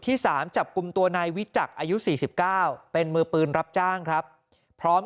๓จับกลุ่มตัวนายวิจักรอายุ๔๙เป็นมือปืนรับจ้างครับพร้อม